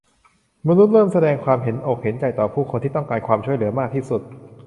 มนุษย์เริ่มแสดงความเห็นอกเห็นใจต่อผู้คนที่ต้องการความช่วยเหลือมากที่สุด